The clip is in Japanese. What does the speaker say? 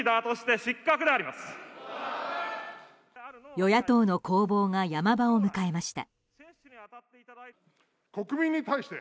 与野党の攻防が山場を迎えました。